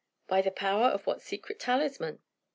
"By the power of what secret talisman?"